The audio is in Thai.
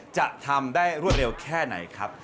จะทำได้รวดเร็วแค่ไหนครับ